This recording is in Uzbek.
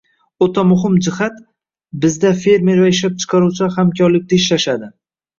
O‘ta muhim jihat – bizda fermer va ishlab chiqaruvchilar hamkorlikda ishlashadi.